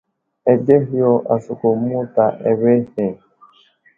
Azlehe yo asəkum muta awehe.